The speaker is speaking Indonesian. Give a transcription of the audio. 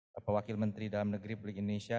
bapak wakil menteri dalam negeri publik indonesia